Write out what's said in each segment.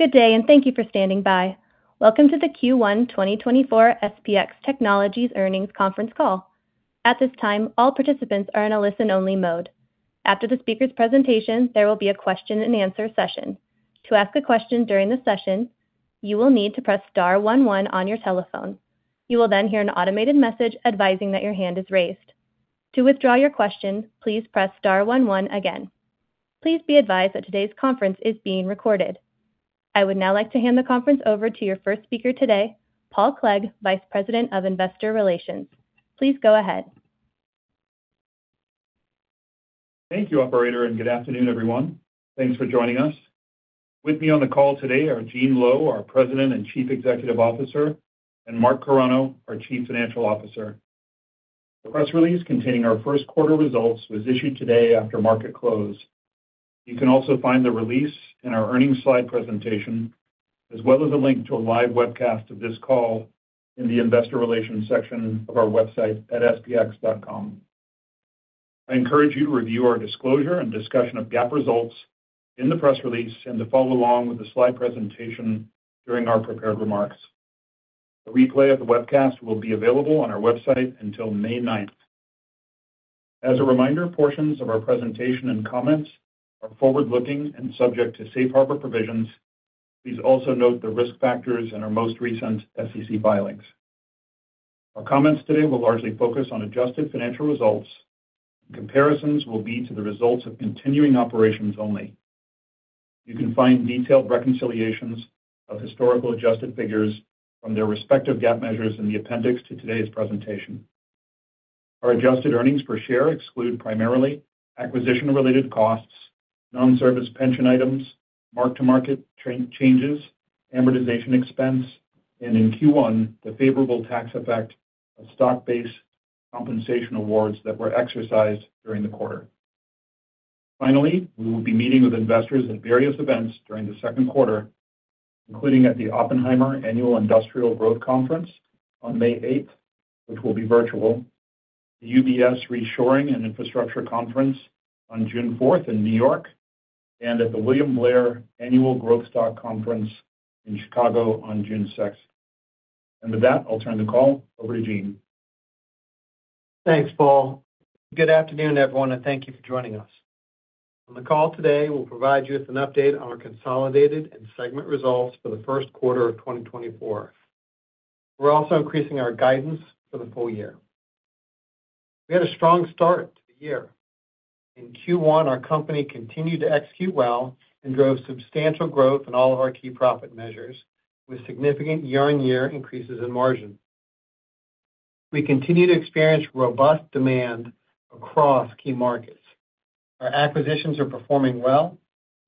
Good day, and thank you for standing by. Welcome to the Q1 2024 SPX Technologies Earnings Conference Call. At this time, all participants are in a listen-only mode. After the speaker's presentation, there will be a question-and-answer session. To ask a question during the session, you will need to press star one one on your telephone. You will then hear an automated message advising that your hand is raised. To withdraw your question, please press star one one again. Please be advised that today's conference is being recorded. I would now like to hand the conference over to your first speaker today, Paul Clegg, Vice President of Investor Relations. Please go ahead. Thank you, operator, and good afternoon, everyone. Thanks for joining us. With me on the call today are Gene Lowe, our President and Chief Executive Officer, and Mark Carano, our Chief Financial Officer. The press release containing our first quarter results was issued today after market close. You can also find the release in our earnings slide presentation, as well as a link to a live webcast of this call in the Investor Relations section of our website at spx.com. I encourage you to review our disclosure and discussion of GAAP results in the press release and to follow along with the slide presentation during our prepared remarks. A replay of the webcast will be available on our website until May 9th. As a reminder, portions of our presentation and comments are forward-looking and subject to Safe Harbor provisions. Please also note the risk factors in our most recent SEC filings. Our comments today will largely focus on adjusted financial results. Comparisons will be to the results of continuing operations only. You can find detailed reconciliations of historical adjusted figures from their respective GAAP measures in the appendix to today's presentation. Our adjusted earnings per share exclude primarily acquisition-related costs, non-service pension items, mark-to-market changes, amortization expense, and in Q1, the favorable tax effect of stock-based compensation awards that were exercised during the quarter. Finally, we will be meeting with investors at various events during the second quarter, including at the Oppenheimer Annual Industrial Growth Conference on May 8th, which will be virtual, the UBS Reshoring and Infrastructure Conference on June 4th in New York, and at the William Blair Annual Growth Stock Conference in Chicago on June 6th. With that, I'll turn the call over to Gene. Thanks, Paul. Good afternoon, everyone, and thank you for joining us. On the call today, we'll provide you with an update on our consolidated and segment results for the first quarter of 2024. We're also increasing our guidance for the full year. We had a strong start to the year. In Q1, our company continued to execute well and drove substantial growth in all of our key profit measures, with significant year-on-year increases in margin. We continue to experience robust demand across key markets. Our acquisitions are performing well,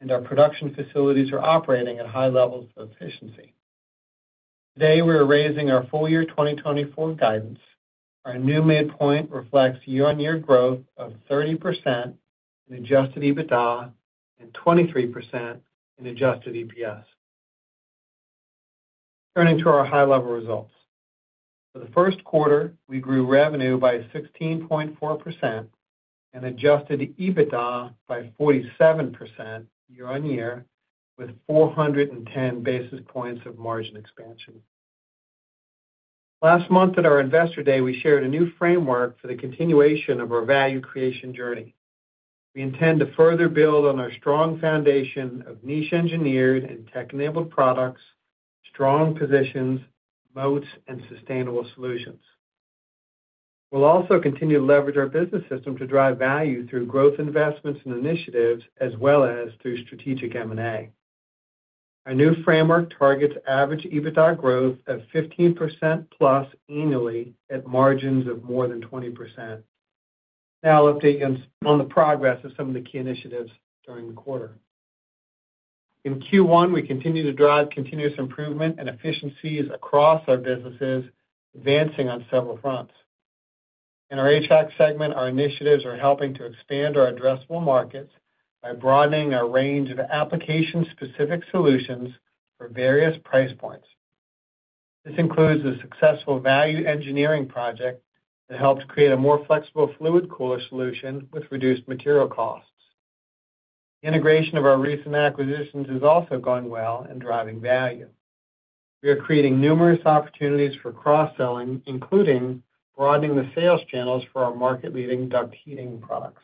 and our production facilities are operating at high levels of efficiency. Today, we are raising our full-year 2024 guidance. Our new midpoint reflects year-on-year growth of 30% in Adjusted EBITDA and 23% in Adjusted EPS. Turning to our high-level results. For the first quarter, we grew revenue by 16.4% and adjusted EBITDA by 47% year-on-year, with 410 basis points of margin expansion. Last month at our Investor Day, we shared a new framework for the continuation of our value creation journey. We intend to further build on our strong foundation of niche engineered and tech-enabled products, strong positions, moats, and sustainable solutions. We'll also continue to leverage our business system to drive value through growth investments and initiatives, as well as through strategic M&A. Our new framework targets average EBITDA growth of 15%+ annually at margins of more than 20%. Now, I'll update you on the progress of some of the key initiatives during the quarter. In Q1, we continued to drive continuous improvement and efficiencies across our businesses, advancing on several fronts. In our HVAC segment, our initiatives are helping to expand our addressable markets by broadening our range of application-specific solutions for various price points. This includes a successful value engineering project that helps create a more flexible fluid cooler solution with reduced material costs. Integration of our recent acquisitions is also going well and driving value. We are creating numerous opportunities for cross-selling, including broadening the sales channels for our market-leading duct heating products.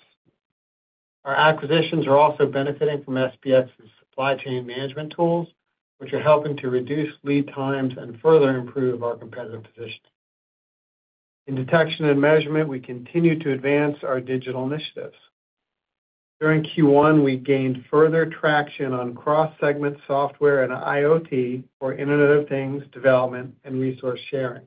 Our acquisitions are also benefiting from SPX's supply chain management tools, which are helping to reduce lead times and further improve our competitive position. In detection and measurement, we continue to advance our digital initiatives. During Q1, we gained further traction on cross-segment software and IoT, or Internet of Things, development and resource sharing.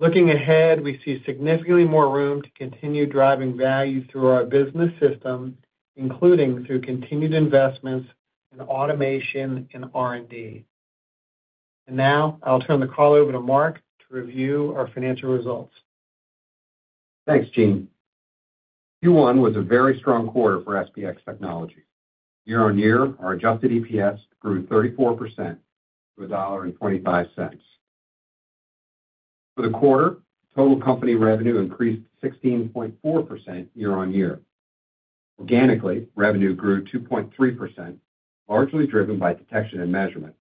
Looking ahead, we see significantly more room to continue driving value through our business system, including through continued investments in automation and R&D. Now, I'll turn the call over to Mark to review our financial results. Thanks, Gene. Q1 was a very strong quarter for SPX Technologies. Year-on-year, our Adjusted EPS grew 34% to $1.25.... For the quarter, total company revenue increased 16.4% year-over-year. Organically, revenue grew 2.3%, largely driven by Detection and Measurement,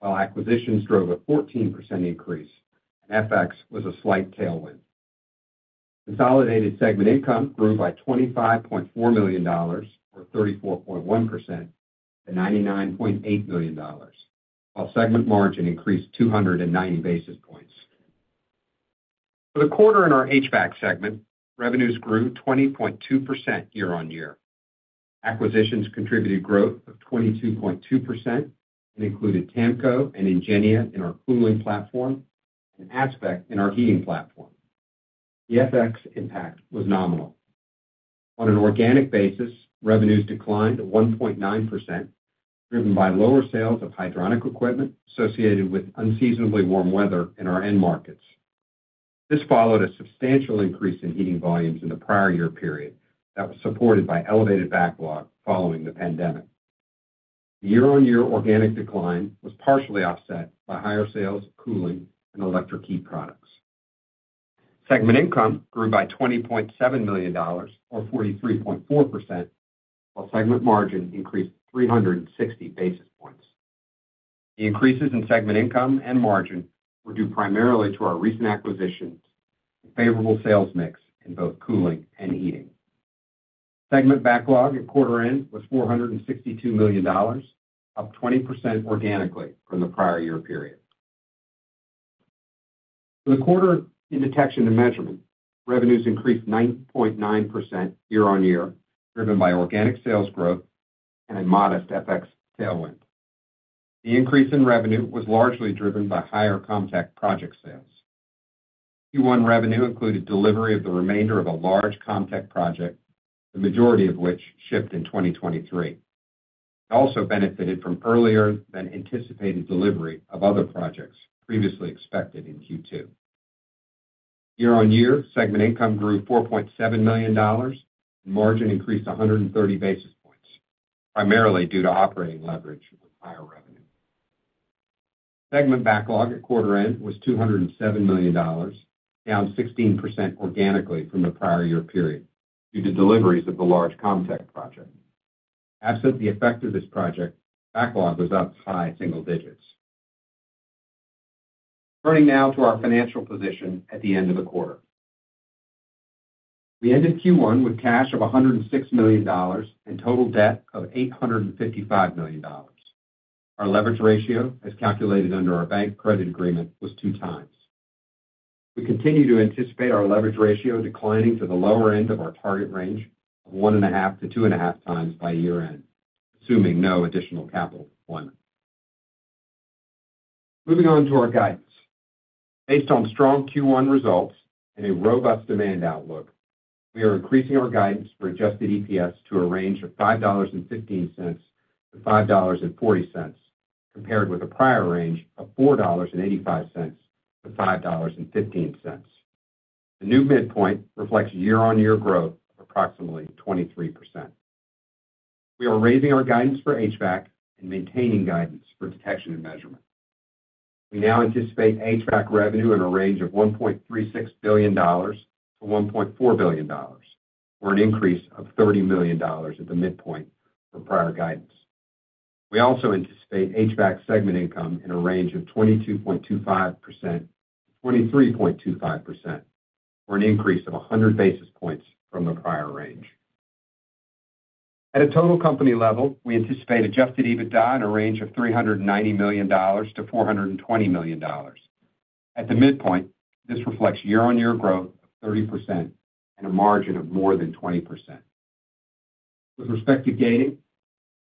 while acquisitions drove a 14% increase, and FX was a slight tailwind. Consolidated segment income grew by $25.4 million, or 34.1%, to $99.8 million, while segment margin increased 290 basis points. For the quarter in our HVAC segment, revenues grew 20.2% year-over-year. Acquisitions contributed growth of 22.2% and included TAMCO and Ingenia in our cooling platform and ASPEQ in our heating platform. The FX impact was nominal. On an organic basis, revenues declined to 1.9%, driven by lower sales of hydronic equipment associated with unseasonably warm weather in our end markets. This followed a substantial increase in heating volumes in the prior year period that was supported by elevated backlog following the pandemic. Year-on-year organic decline was partially offset by higher sales of cooling and electric heat products. Segment income grew by $20.7 million or 43.4%, while segment margin increased 360 basis points. The increases in segment income and margin were due primarily to our recent acquisitions and favorable sales mix in both cooling and heating. Segment backlog at quarter end was $462 million, up 20% organically from the prior year period. For the quarter, in Detection and Measurement, revenues increased 9.9% year-on-year, driven by organic sales growth and a modest FX tailwind. The increase in revenue was largely driven by higher CommTech project sales. Q1 revenue included delivery of the remainder of a large CommTech project, the majority of which shipped in 2023. It also benefited from earlier than anticipated delivery of other projects previously expected in Q2. Year-on-year, segment income grew $4.7 million, and margin increased 130 basis points, primarily due to operating leverage with higher revenue. Segment backlog at quarter end was $207 million, down 16% organically from the prior year period due to deliveries of the large CommTech project. Absent the effect of this project, backlog was up high single digits. Turning now to our financial position at the end of the quarter. We ended Q1 with cash of $106 million and total debt of $855 million. Our leverage ratio, as calculated under our bank credit agreement, was 2x. We continue to anticipate our leverage ratio declining to the lower end of our target range of 1.5x-2.5xby year-end, assuming no additional capital deployment. Moving on to our guidance. Based on strong Q1 results and a robust demand outlook, we are increasing our guidance for Adjusted EPS to a range of $5.15-$5.40, compared with a prior range of $4.85-$5.15. The new midpoint reflects year-on-year growth of approximately 23%. We are raising our guidance for HVAC and maintaining guidance for Detection and Measurement. We now anticipate HVAC revenue in a range of $1.36 billion-$1.4 billion, or an increase of $30 million at the midpoint from prior guidance. We also anticipate HVAC segment income in a range of 22.25%-23.25%, or an increase of 100 basis points from the prior range. At a total company level, we anticipate adjusted EBITDA in a range of $390 million-$420 million. At the midpoint, this reflects year-on-year growth of 30% and a margin of more than 20%. With respect to gating,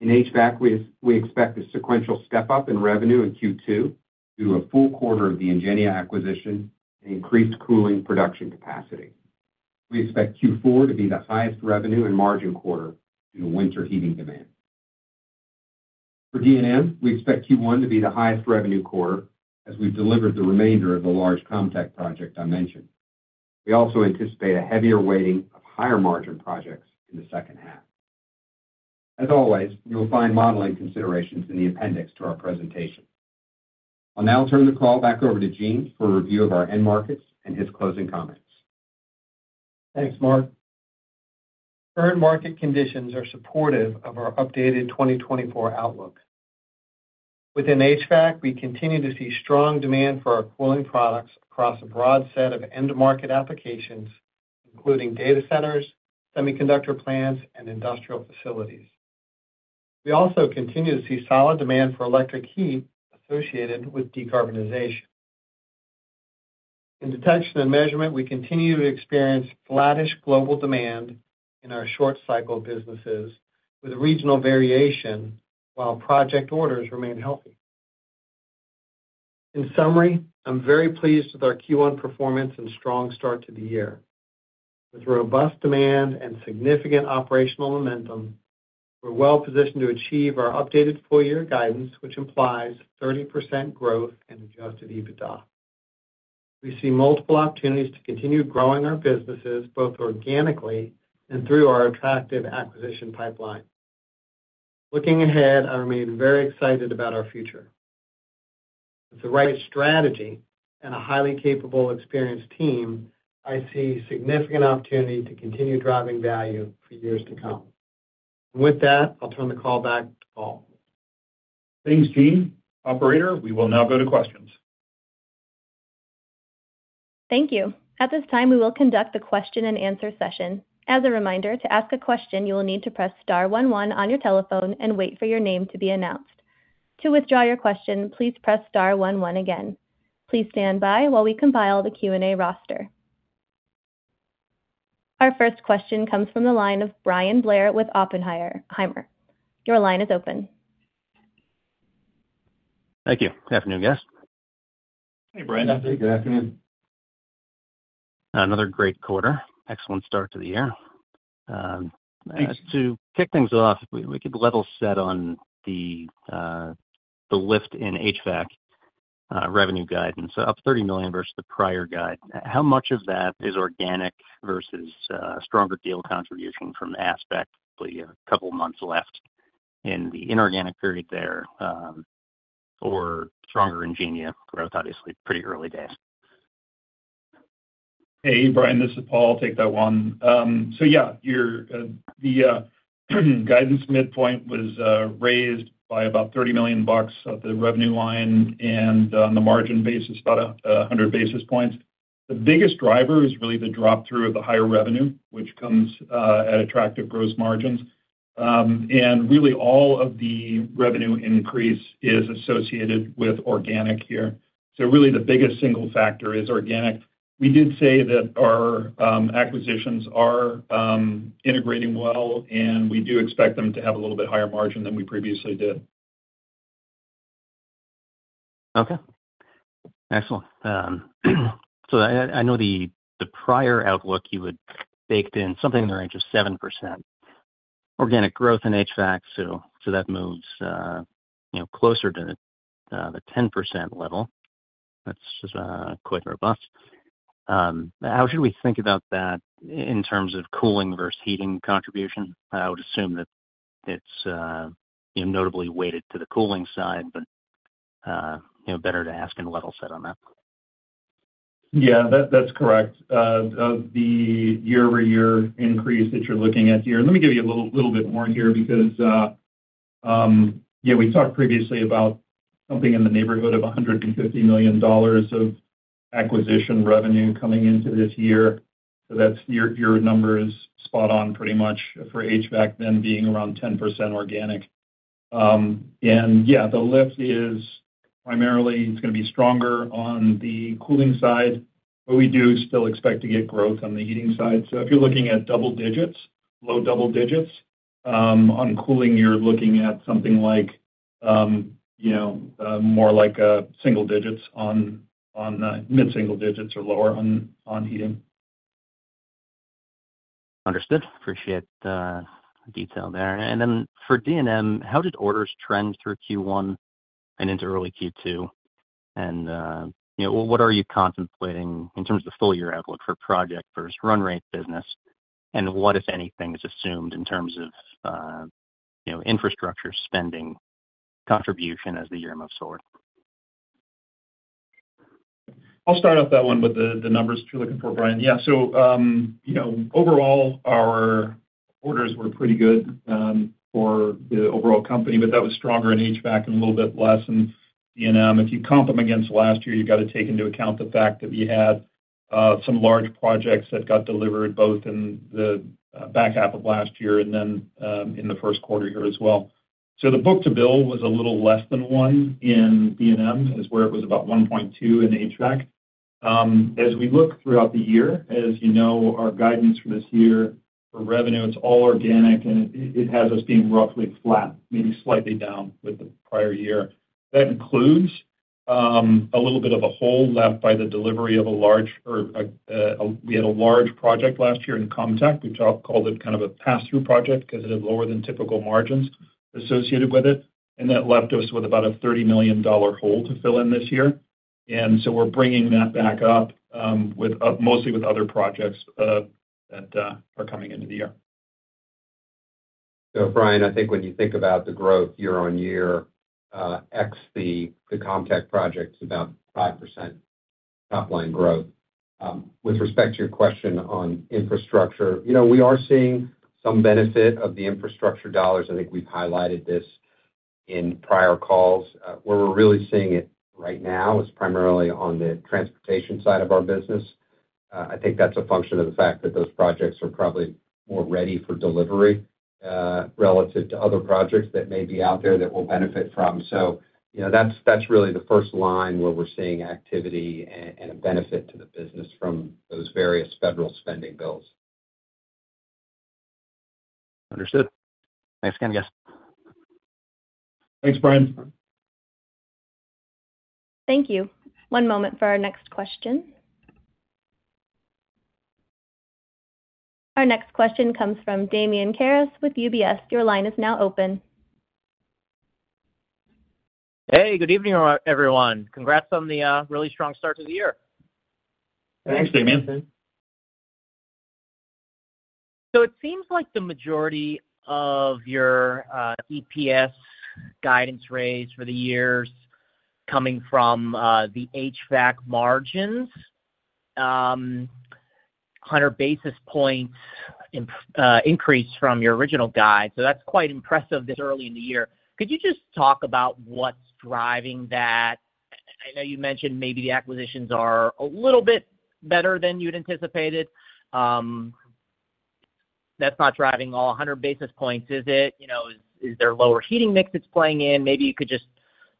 in HVAC, we expect a sequential step-up in revenue in Q2 due to a full quarter of the Ingenia acquisition and increased cooling production capacity. We expect Q4 to be the highest revenue and margin quarter in winter heating demand. For D&M, we expect Q1 to be the highest revenue quarter, as we've delivered the remainder of the large CommTech project I mentioned. We also anticipate a heavier weighting of higher-margin projects in the second half. As always, you will find modeling considerations in the appendix to our presentation. I'll now turn the call back over to Gene for a review of our end markets and his closing comments. Thanks, Mark. Current market conditions are supportive of our updated 2024 outlook. Within HVAC, we continue to see strong demand for our cooling products across a broad set of end-market applications, including data centers, semiconductor plants, and industrial facilities. We also continue to see solid demand for electric heat associated with decarbonization. In Detection and Measurement, we continue to experience flattish global demand in our short cycle businesses, with regional variation, while project orders remain healthy. In summary, I'm very pleased with our Q1 performance and strong start to the year. With robust demand and significant operational momentum, we're well positioned to achieve our updated full year guidance, which implies 30% growth in Adjusted EBITDA. We see multiple opportunities to continue growing our businesses, both organically and through our attractive acquisition pipeline. ...Looking ahead, I remain very excited about our future. With the right strategy and a highly capable, experienced team, I see significant opportunity to continue driving value for years to come. With that, I'll turn the call back to Paul. Thanks, Gene. Operator, we will now go to questions. Thank you. At this time, we will conduct a question-and-answer session. As a reminder, to ask a question, you will need to press star one one on your telephone and wait for your name to be announced. To withdraw your question, please press star one one again. Please stand by while we compile the Q&A roster. Our first question comes from the line of Bryan Blair with Oppenheimer. Your line is open. Thank you. Good afternoon, guys. Hey, Bryan. Good afternoon. Another great quarter. Excellent start to the year. To kick things off, we could level set on the lift in HVAC revenue guidance, up $30 million versus the prior guide. How much of that is organic versus stronger deal contribution from ASPEQ? We have a couple of months left in the inorganic period there, or stronger Ingenia growth, obviously, pretty early days. Hey, Bryan, this is Paul. I'll take that one. So yeah, the guidance midpoint was raised by about $30 million on the revenue line, and on the margin basis, about 100 basis points. The biggest driver is really the flow-through of the higher revenue, which comes at attractive gross margins. And really, all of the revenue increase is associated with organic here. So really, the biggest single factor is organic. We did say that our acquisitions are integrating well, and we do expect them to have a little bit higher margin than we previously did. Okay. Excellent. So I know the prior outlook, you had baked in something in the range of 7% organic growth in HVAC, so that moves, you know, closer to the 10% level. That's quite robust. How should we think about that in terms of cooling versus heating contribution? I would assume that it's, you know, notably weighted to the cooling side, but, you know, better to ask and level set on that. Yeah, that's correct. Of the year-over-year increase that you're looking at here... Let me give you a little, little bit more here, because, yeah, we talked previously about something in the neighborhood of $150 million of acquisition revenue coming into this year. So that's, your number is spot on pretty much for HVAC, then being around 10% organic. And yeah, the lift is primarily, it's gonna be stronger on the cooling side, but we do still expect to get growth on the heating side. So if you're looking at double digits, low double digits, on cooling, you're looking at something like, you know, more like, single digits on, mid-single digits or lower on, heating. Understood. Appreciate the detail there. And then for D&M, how did orders trend through Q1 and into early Q2? And, you know, what are you contemplating in terms of the full year outlook for project versus run rate business, and what, if anything, is assumed in terms of, you know, infrastructure spending contribution as the year moves forward? I'll start off that one with the numbers you're looking for, Bryan. Yeah, so, you know, overall, our orders were pretty good, for the overall company, but that was stronger in HVAC and a little bit less in D&M. If you comp them against last year, you've got to take into account the fact that we had some large projects that got delivered, both in the back half of last year and then in the first quarter here as well. So the book-to-bill was a little less than 1 in D&M; it was about 1.2 in HVAC. As we look throughout the year, as you know, our guidance for this year for revenue, it's all organic, and it has us being roughly flat, maybe slightly down with the prior year. That includes a little bit of a hole left by the delivery of a large... we had a large project last year in CommTech. We talked, called it kind of a pass-through project because it had lower than typical margins associated with it, and that left us with about a $30 million hole to fill in this year. And so we're bringing that back up with mostly with other projects that are coming into the year. So Bryan, I think when you think about the growth year-over-year, ex the CommTech project, it's about 5% top line growth. With respect to your question on infrastructure, you know, we are seeing some benefit of the infrastructure dollars. I think we've highlighted this in prior calls. Where we're really seeing it right now is primarily on the transportation side of our business. I think that's a function of the fact that those projects are probably more ready for delivery, relative to other projects that may be out there that we'll benefit from. So you know, that's really the first line where we're seeing activity and a benefit to the business from those various federal spending bills. Understood. Thanks again, guys. Thanks, Bryan. Thank you. One moment for our next question. Our next question comes from Damian Karas with UBS. Your line is now open. Hey, good evening, everyone. Congrats on the really strong start to the year. Thanks, Damian. So it seems like the majority of your EPS guidance raise for the year is coming from the HVAC margins. 100 basis points increase from your original guide, so that's quite impressive this early in the year. Could you just talk about what's driving that? I know you mentioned maybe the acquisitions are a little bit better than you'd anticipated. That's not driving all 100 basis points, is it? You know, is there lower heating mix that's playing in? Maybe you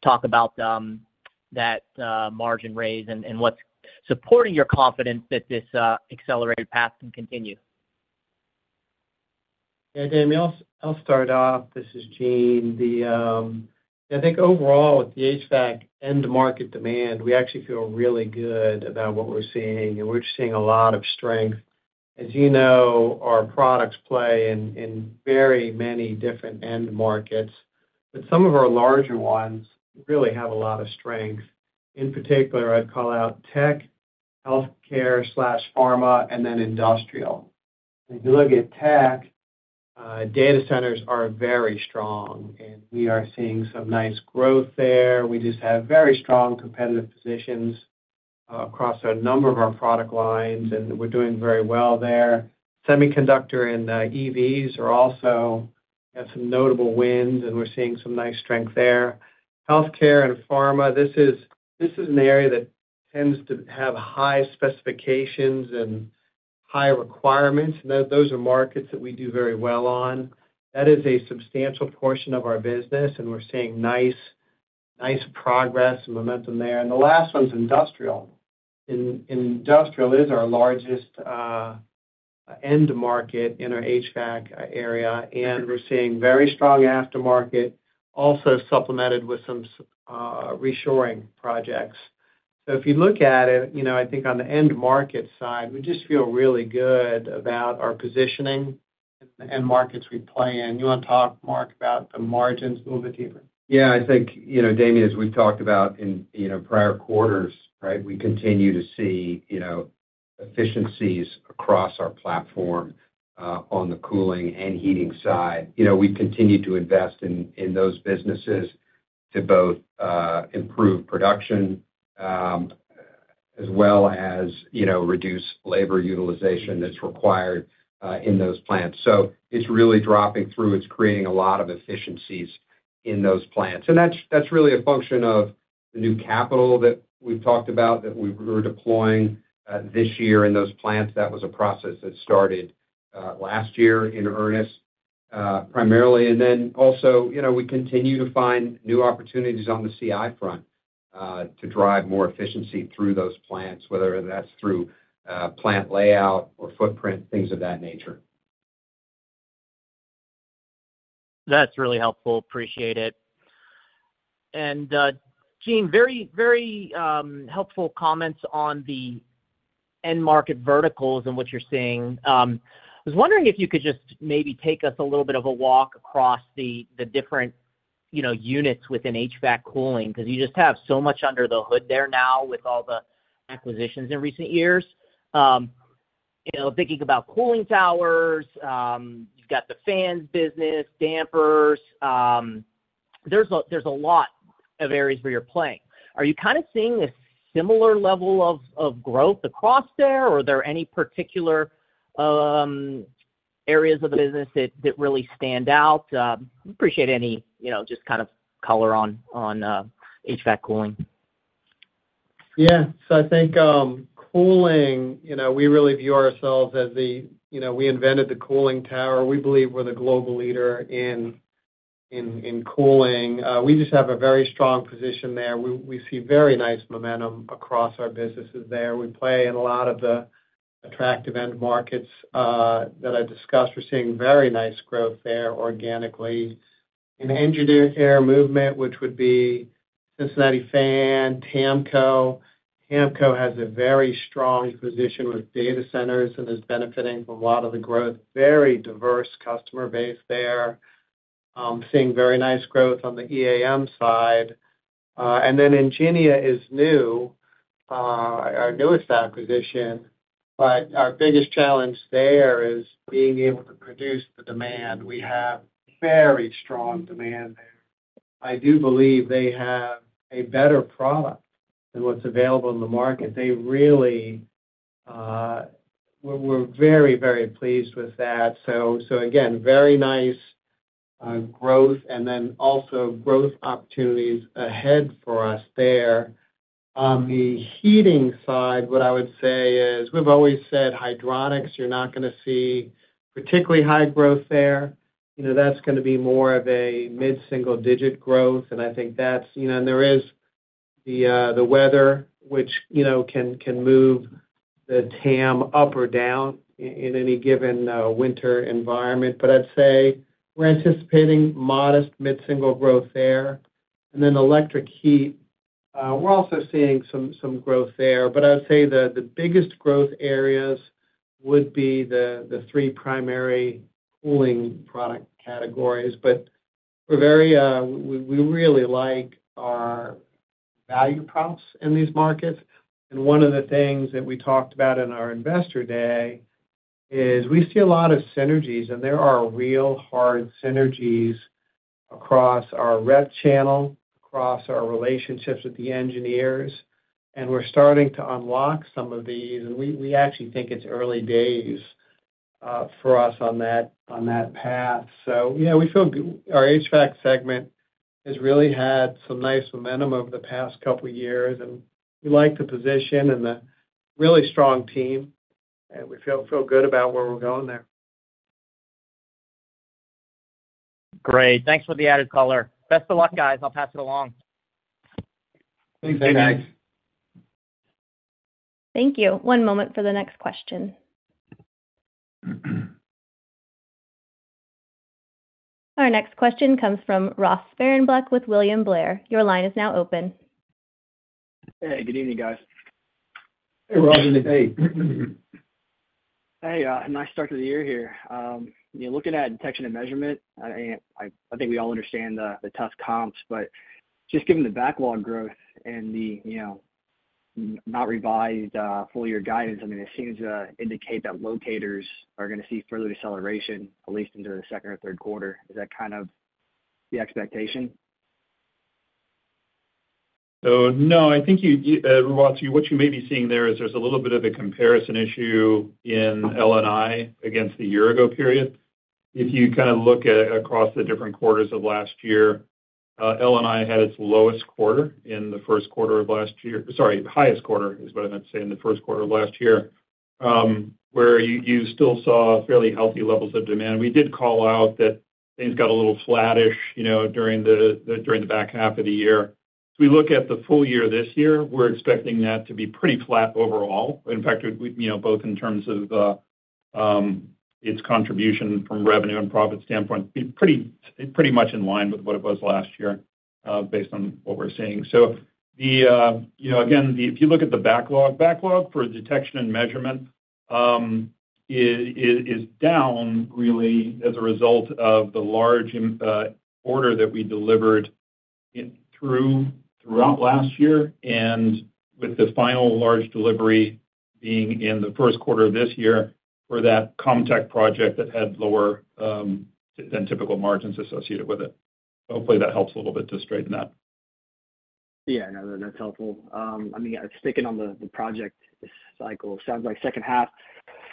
could just talk about that margin raise and what's supporting your confidence that this accelerated path can continue. Yeah, Damian, I'll, I'll start off. This is Gene. I think overall, with the HVAC end market demand, we actually feel really good about what we're seeing, and we're seeing a lot of strength. As you know, our products play in very many different end markets, but some of our larger ones really have a lot of strength. In particular, I'd call out tech, healthcare/pharma, and then industrial. If you look at tech, data centers are very strong, and we are seeing some nice growth there. We just have very strong competitive positions across a number of our product lines, and we're doing very well there. Semiconductor and EVs are also had some notable wins, and we're seeing some nice strength there. Healthcare and pharma, this is an area that tends to have high specifications and high requirements, and those are markets that we do very well on. That is a substantial portion of our business, and we're seeing nice, nice progress and momentum there. And the last one's industrial. Industrial is our largest end market in our HVAC area, and we're seeing very strong aftermarket, also supplemented with some reshoring projects. So if you look at it, you know, I think on the end market side, we just feel really good about our positioning and markets we play in. You wanna talk, Mark, about the margins a little bit deeper? Yeah. I think, you know, Damian, as we've talked about in, you know, prior quarters, right? We continue to see, you know, efficiencies across our platform, on the cooling and heating side. You know, we continue to invest in those businesses to both, improve production, as well as, you know, reduce labor utilization that's required, in those plants. So it's really dropping through. It's creating a lot of efficiencies in those plants, and that's, that's really a function of the new capital that we've talked about, that we're deploying, this year in those plants. That was a process that started, last year in earnest, primarily. And then also, you know, we continue to find new opportunities on the CI front, to drive more efficiency through those plants, whether that's through, plant layout or footprint, things of that nature. That's really helpful. Appreciate it. And, Gene, very, very helpful comments on the end market verticals and what you're seeing. I was wondering if you could just maybe take us a little bit of a walk across the different, you know, units within HVAC cooling, 'cause you just have so much under the hood there now with all the acquisitions in recent years. You know, thinking about cooling towers, you've got the fans business, dampers, there's a lot of areas where you're playing. Are you kind of seeing a similar level of growth across there, or are there any particular areas of the business that really stand out? Appreciate any, you know, just kind of color on HVAC cooling. Yeah. So I think, cooling, you know, we really view ourselves as the, you know, we invented the cooling tower. We believe we're the global leader in cooling. We just have a very strong position there. We see very nice momentum across our businesses there. We play in a lot of the attractive end markets that I discussed. We're seeing very nice growth there organically. In engineered air movement, which would be Cincinnati Fan, TAMCO. TAMCO has a very strong position with data centers and is benefiting from a lot of the growth, very diverse customer base there. Seeing very nice growth on the EAM side. And then Ingenia is new, our newest acquisition, but our biggest challenge there is being able to produce the demand. We have very strong demand there. I do believe they have a better product than what's available in the market. They really, we're very, very pleased with that. So, again, very nice growth, and then also growth opportunities ahead for us there. On the heating side, what I would say is, we've always said, hydronics, you're not gonna see particularly high growth there. You know, that's gonna be more of a mid-single-digit growth, and I think that's, you know, and there is the weather, which, you know, can move the TAM up or down in any given winter environment. But I'd say we're anticipating modest mid-single growth there. And then electric heat, we're also seeing some growth there. But I would say the biggest growth areas would be the three primary cooling product categories. But we're very, we really like our value props in these markets. And one of the things that we talked about in our Investor Day is we see a lot of synergies, and there are real hard synergies across our rep channel, across our relationships with the engineers, and we're starting to unlock some of these, and we actually think it's early days, for us on that, on that path. So yeah, we feel our HVAC segment has really had some nice momentum over the past couple years, and we like the position and the really strong team, and we feel good about where we're going there. Great. Thanks for the added color. Best of luck, guys. I'll pass it along. Thanks. Thanks. Thank you. One moment for the next question. Our next question comes from Ross Sparenblek with William Blair. Your line is now open. Hey, good evening, guys. Hey, Ross. Good evening. Hey. Hey, nice start to the year here. You know, looking at Detection and Measurement, I think we all understand the tough comps, but just given the backlog growth and the, you know, not revised full year guidance, I mean, it seems to indicate that locators are gonna see further deceleration, at least into the second or third quarter. Is that kind of the expectation? So, no, I think you, Ross, what you may be seeing there is there's a little bit of a comparison issue in L&I against the year ago period. If you kind of look at across the different quarters of last year, L&I had its lowest quarter in the first quarter of last year. Sorry, highest quarter, is what I meant to say, in the first quarter of last year, where you still saw fairly healthy levels of demand. We did call out that things got a little flattish, you know, during the back half of the year. As we look at the full year this year, we're expecting that to be pretty flat overall. In fact, it would, you know, both in terms of, its contribution from revenue and profit standpoint, be pretty, pretty much in line with what it was last year, based on what we're seeing. So the, you know, again, the-- if you look at the backlog, backlog for Detection and Measurement, is down really as a result of the large, order that we delivered in, throughout last year, and with the final large delivery being in the first quarter of this year for that CommTech project that had lower, than typical margins associated with it. Hopefully, that helps a little bit to straighten that. Yeah, no, that's helpful. I mean, sticking on the project cycle, sounds like second half,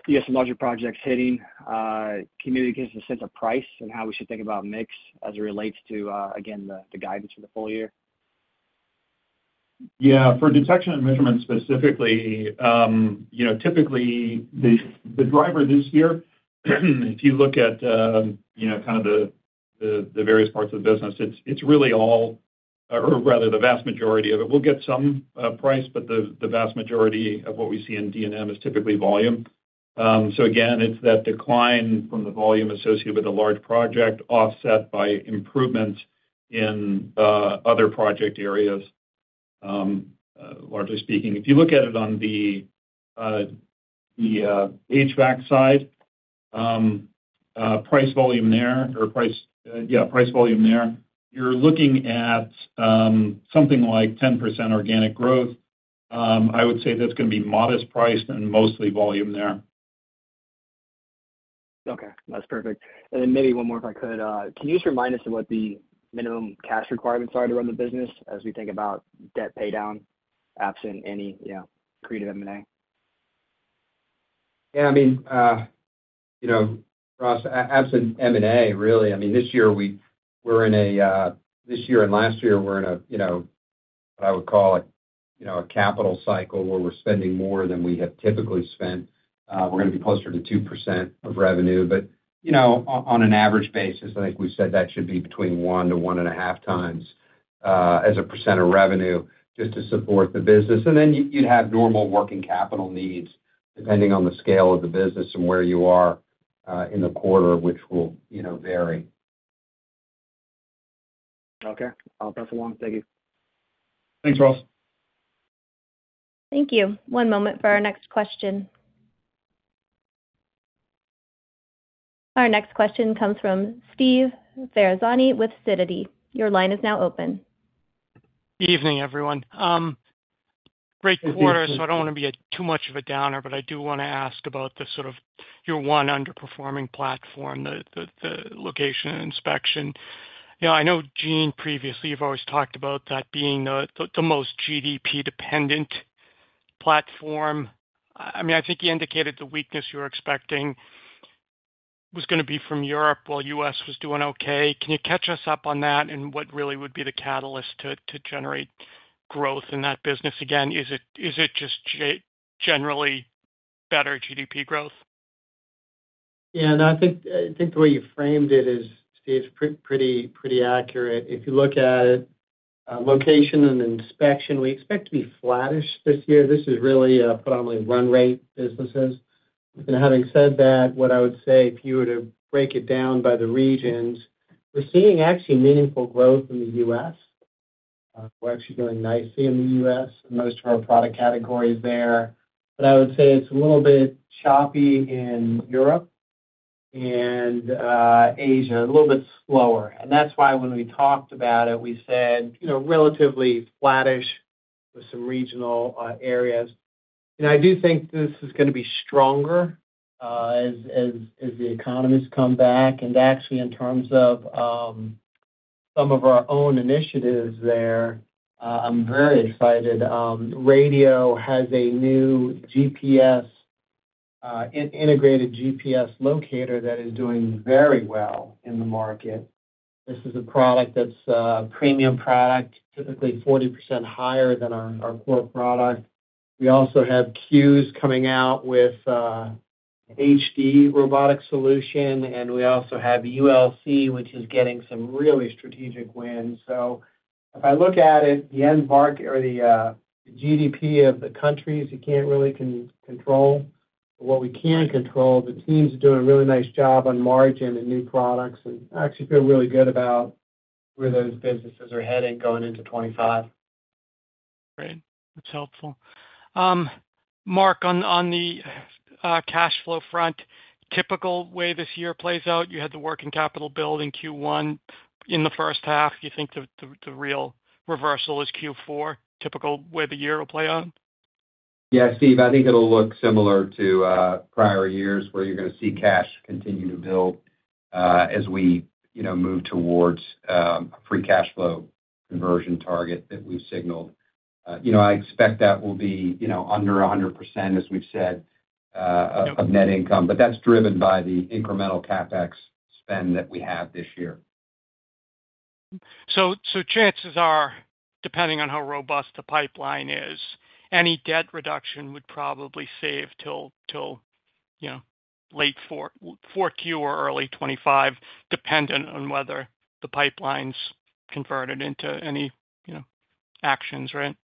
you have some larger projects hitting. Can you maybe give us a sense of price and how we should think about mix as it relates to, again, the guidance for the full year? Yeah. For Detection and Measurement, specifically, you know, kind of the various parts of the business, it's really all, or rather the vast majority of it. We'll get some price, but the vast majority of what we see in D&M is typically volume. So again, it's that decline from the volume associated with a large project, offset by improvements in other project areas, largely speaking. If you look at it on the HVAC side, price volume there, or price, yeah, price volume there, you're looking at something like 10% organic growth. I would say that's gonna be modest price and mostly volume there. Okay, that's perfect. And then maybe one more, if I could. Can you just remind us of what the minimum cash requirements are to run the business, as we think about debt paydown, absent any, you know, creative M&A? Yeah, I mean, you know, Ross, absent M&A, really, I mean, this year we're in a, this year and last year, we're in a, you know, what I would call a, you know, a capital cycle, where we're spending more than we have typically spent. We're gonna be closer to 2% of revenue, but, you know, on an average basis, I think we said that should be between 1-1.5 times as a percent of revenue, just to support the business. And then you, you'd have normal working capital needs, depending on the scale of the business and where you are, in the quarter, which will, you know, vary. Okay. I'll pass it along. Thank you. Thanks, Ross. Thank you. One moment for our next question. Our next question comes from Steve Ferazani with Sidoti. Your line is now open. Good evening, everyone. Great quarter, so I don't want to be too much of a downer, but I do want to ask about the sort of your one underperforming platform, the location and inspection. You know, I know, Gene, previously, you've always talked about that being the most GDP-dependent platform. I mean, I think you indicated the weakness you were expecting was gonna be from Europe, while U.S. was doing okay. Can you catch us up on that? And what really would be the catalyst to generate growth in that business again? Is it just generally better GDP growth? Yeah, no, I think, I think the way you framed it is, Steve, pretty, pretty accurate. If you look at it, location and inspection, we expect to be flattish this year. This is really, predominantly run rate businesses.... And having said that, what I would say, if you were to break it down by the regions, we're seeing actually meaningful growth in the U.S. We're actually doing nicely in the U.S., in most of our product categories there. But I would say it's a little bit choppy in Europe and, Asia, a little bit slower. And that's why when we talked about it, we said, you know, relatively flattish with some regional, areas. And I do think this is gonna be stronger, as the economists come back. Actually, in terms of some of our own initiatives there, I'm very excited. Radio has a new GPS integrated GPS locator that is doing very well in the market. This is a product that's a premium product, typically 40% higher than our core product. We also have CUES coming out with an HD robotic solution, and we also have ULC, which is getting some really strategic wins. So if I look at it, the end market or the GDP of the countries, you can't really control. But what we can control, the teams are doing a really nice job on margin and new products, and I actually feel really good about where those businesses are heading going into 2025. Great. That's helpful. Mark, on the cash flow front, typical way this year plays out, you had the working capital build in Q1. In the first half, do you think the real reversal is Q4, typical way the year will play out? Yeah, Steve, I think it'll look similar to prior years, where you're gonna see cash continue to build, as we, you know, move towards a free cash flow conversion target that we've signaled. You know, I expect that will be, you know, under 100%, as we've said. Yep... of net income, but that's driven by the incremental CapEx spend that we have this year. So, chances are, depending on how robust the pipeline is, any debt reduction would probably save till, you know, late 4Q or early 2025, dependent on whether the pipeline's converted into any, you know, actions, right?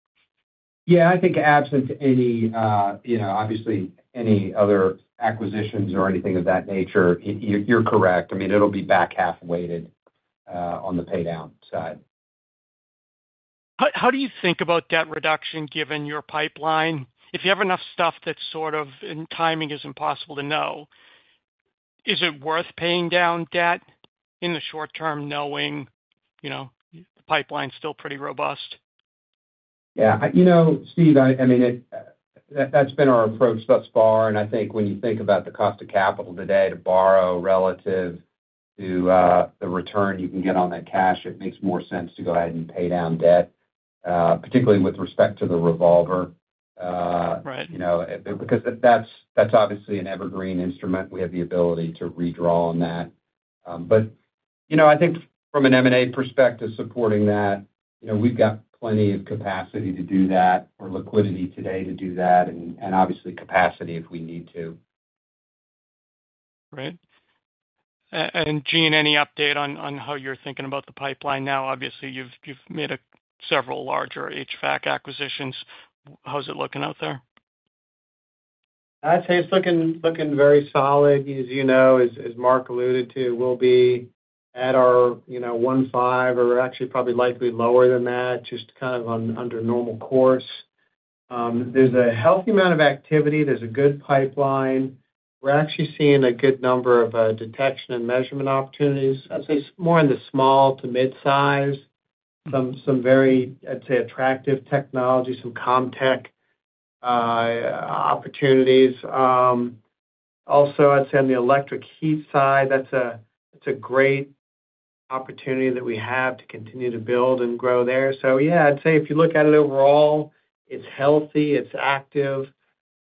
Yeah, I think absent to any, you know, obviously, any other acquisitions or anything of that nature, you're correct. I mean, it'll be back half weighted, on the paydown side. How do you think about debt reduction given your pipeline? If you have enough stuff that's sort of, and timing is impossible to know, is it worth paying down debt in the short term, knowing, you know, the pipeline's still pretty robust? Yeah, you know, Steve, I mean, that's been our approach thus far, and I think when you think about the cost of capital today to borrow relative to the return you can get on that cash, it makes more sense to go ahead and pay down debt, particularly with respect to the revolver. Right... you know, because that's, that's obviously an evergreen instrument. We have the ability to redraw on that. But, you know, I think from an M&A perspective, supporting that, you know, we've got plenty of capacity to do that or liquidity today to do that, and obviously, capacity if we need to. Right. And Gene, any update on how you're thinking about the pipeline now? Obviously, you've made several larger HVAC acquisitions. How's it looking out there? I'd say it's looking very solid. As you know, as Mark alluded to, we'll be at our, you know, 15, or actually probably likely lower than that, just kind of on under normal course. There's a healthy amount of activity. There's a good pipeline. We're actually seeing a good number of detection and measurement opportunities. I'd say it's more in the small to mid-size, some very, I'd say, attractive technology, some CommTech opportunities. Also, I'd say on the electric heat side, that's a, it's a great opportunity that we have to continue to build and grow there. So yeah, I'd say if you look at it overall, it's healthy, it's active.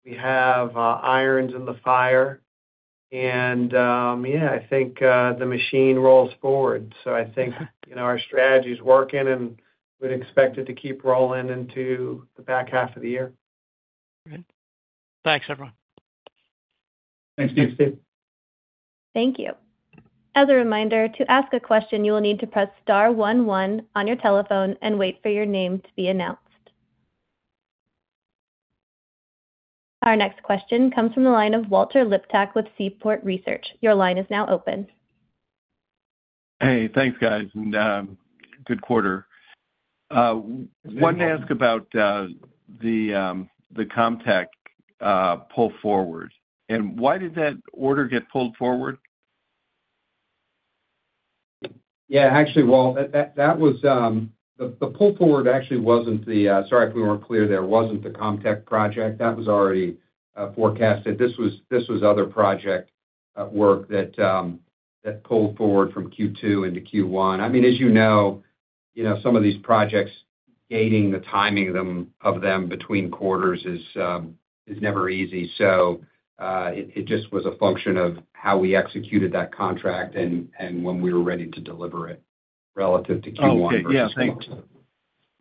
We have irons in the fire, and yeah, I think the machine rolls forward. I think, you know, our strategy's working, and we'd expect it to keep rolling into the back half of the year. Right. Thanks, everyone. Thanks, Steve. Thank you. As a reminder, to ask a question, you will need to press star one one on your telephone and wait for your name to be announced. Our next question comes from the line of Walter Liptak with Seaport Research. Your line is now open. Hey, thanks, guys, and good quarter. Wanted to ask about the CommTech pull forward, and why did that order get pulled forward? Yeah, actually, Walt, that was... The pull forward actually wasn't the, sorry, if we weren't clear there, wasn't the CommTech project. That was already forecasted. This was other project work that pulled forward from Q2 into Q1. I mean, as you know, you know, some of these projects, gating the timing of them between quarters is never easy. So, it just was a function of how we executed that contract and when we were ready to deliver it relative to Q1 versus Q1. Okay. Yeah, thanks.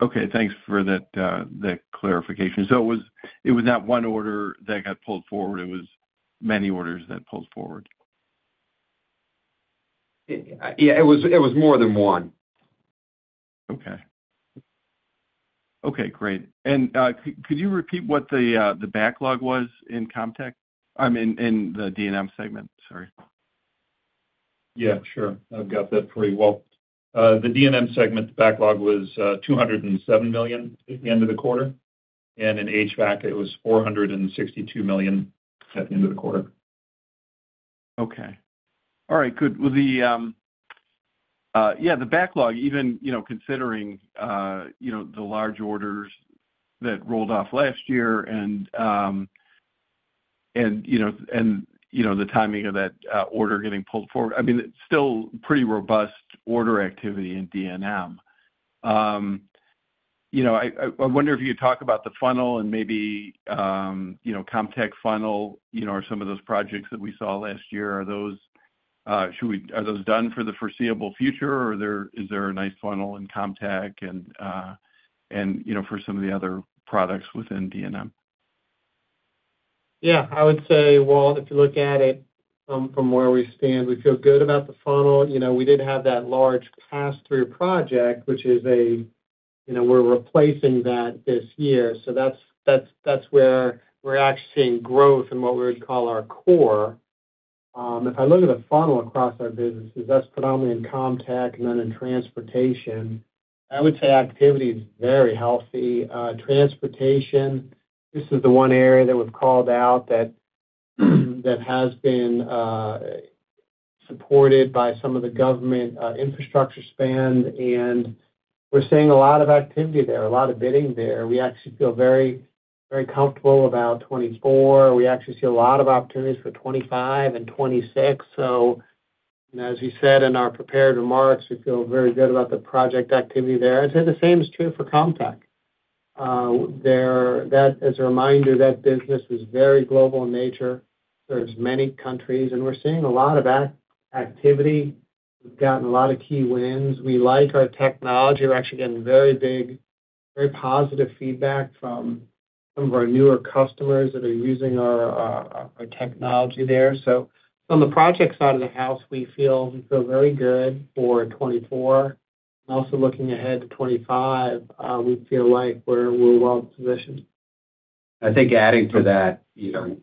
Okay, thanks for that, that clarification. So it was, it was not one order that got pulled forward, it was many orders that pulled forward?... Yeah, it was, it was more than one. Okay. Okay, great. And could you repeat what the backlog was in CommTech? I mean, in the D&M segment, sorry. Yeah, sure. I've got that for you. Well, the D&M segment backlog was $207 million at the end of the quarter, and in HVAC, it was $462 million at the end of the quarter. Okay. All right, good. Well, the, yeah, the backlog, even, you know, considering, the large orders that rolled off last year and, you know, the timing of that, order getting pulled forward, I mean, it's still pretty robust order activity in D&M. You know, I wonder if you could talk about the funnel and maybe, you know, CommTech funnel, you know, are some of those projects that we saw last year, are those done for the foreseeable future, or, is there a nice funnel in CommTech and, you know, for some of the other products within D&M? Yeah, I would say, Walt, if you look at it from where we stand, we feel good about the funnel. You know, we did have that large pass-through project, which is a, you know, we're replacing that this year. So that's where we're actually seeing growth in what we would call our core. If I look at the funnel across our businesses, that's predominantly in CommTech and then in transportation. I would say activity is very healthy. Transportation, this is the one area that was called out that has been supported by some of the government infrastructure spend, and we're seeing a lot of activity there, a lot of bidding there. We actually feel very, very comfortable about 2024. We actually see a lot of opportunities for 2025 and 2026. So, as you said in our prepared remarks, we feel very good about the project activity there. I'd say the same is true for CommTech. There, that as a reminder, that business is very global in nature. There's many countries, and we're seeing a lot of activity. We've gotten a lot of key wins. We like our technology. We're actually getting very big, very positive feedback from some of our newer customers that are using our, our technology there. So on the project side of the house, we feel, we feel very good for 2024. Also, looking ahead to 2025, we feel like we're, we're well positioned. I think adding to that, you know,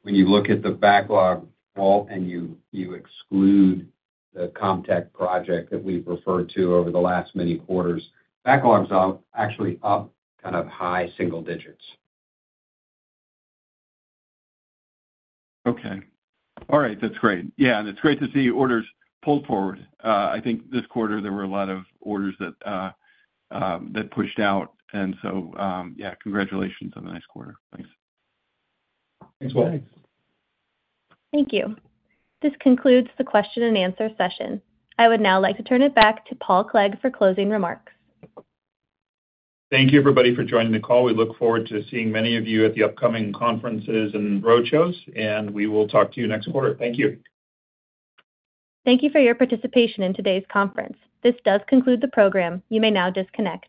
when you look at the backlog, Walt, and you, you exclude the CommTech project that we've referred to over the last many quarters, backlogs are actually up kind of high single digits. Okay. All right. That's great. Yeah, and it's great to see orders pulled forward. I think this quarter there were a lot of orders that pushed out, and so, yeah, congratulations on the nice quarter. Thanks. Thanks, Walt. Thank you. This concludes the question and answer session. I would now like to turn it back to Paul Clegg for closing remarks. Thank you, everybody, for joining the call. We look forward to seeing many of you at the upcoming conferences and roadshows, and we will talk to you next quarter. Thank you. Thank you for your participation in today's conference. This does conclude the program. You may now disconnect.